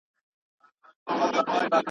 هر سړى په خپل کور کي پاچا دئ.